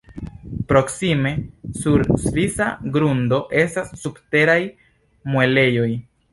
Proksime sur svisa grundo estas Subteraj Muelejoj.